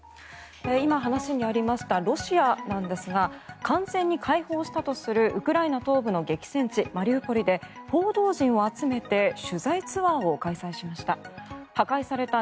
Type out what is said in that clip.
今、話にありましたロシアなんですが完全に解放したとするウクライナ東部の激戦地マリウポリで報道陣を集めて取材ツアーを開催しました。